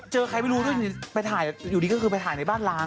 เจอใครไม่รู้ด้วยไปถ่ายอยู่ดีก็คือไปถ่ายในบ้านล้าง